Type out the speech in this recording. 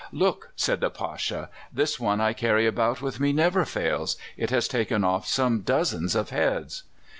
"Look!" said the Pasha; "this one I carry about with me never fails. It has taken off some dozens of heads."